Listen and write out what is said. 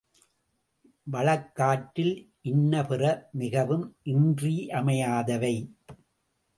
வழக்காற்றில் இன்ன பிற மிகவும் இன்றியமையாதவை.